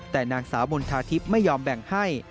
แต่นางสาวมณฑาทิพย์ไม่ยอมแบ่งให้